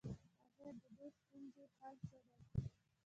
اخر ددې ستونزي حل څه دی؟